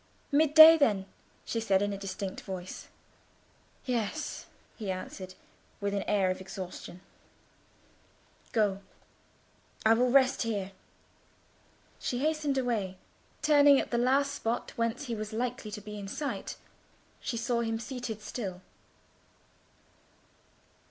"Mid day, then," she said, in a distinct voice. "Yes," he answered, with an air of exhaustion. "Go; I will rest here." She hastened away. Turning at the last spot whence he was likely to be in sight, she saw him seated still.